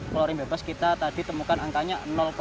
klorin bebas kita tadi temukan angkanya lima puluh empat